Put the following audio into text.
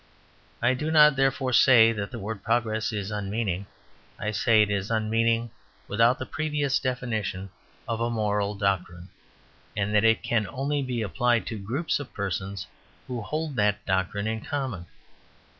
I do not, therefore, say that the word "progress" is unmeaning; I say it is unmeaning without the previous definition of a moral doctrine, and that it can only be applied to groups of persons who hold that doctrine in common.